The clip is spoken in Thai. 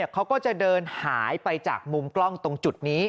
เขาก็จะเดินหายไปจากมุมกล้องตรงจุดนี้